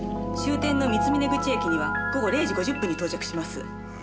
終点の三峰口駅には午後０時５０分に到着します。